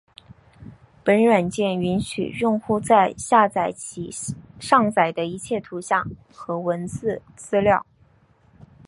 本软件允许用户在下载其上载的一切图像和文字资料。